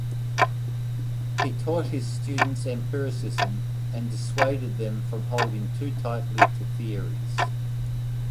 He taught his students empiricism and dissuaded them from holding too tightly to theories.